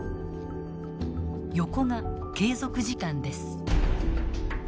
横が継続時間です。